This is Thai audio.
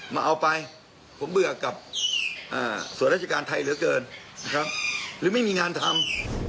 มาเอาไปผมเบื่อกับสวรรคการไทยเหลือเกินหรือไม่มีงานทำ